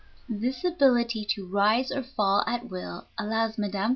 ] This ability to rise or fall at will allows Mme.